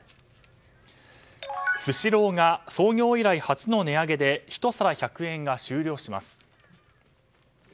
スシローが創業以来初の値上げで１皿１００円が終了します。